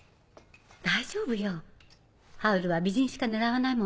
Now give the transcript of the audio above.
大丈夫よハウルは美人しか狙わないもの。